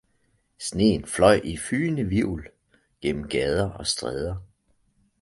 Sneen fløj i fygende hvirvel gennem gader og stræder